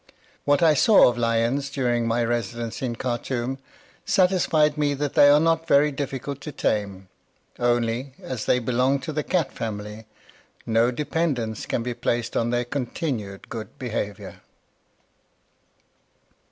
What I saw of lions during my residence in Khartoum satisfied me that they are not very difficult to tame, only, as they belong to the cat family, no dependence can be placed on their continued good behavior....